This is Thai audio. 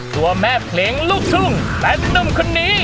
ตัวแม่เพลงลูกทุ่งแฟนนุ่มคนนี้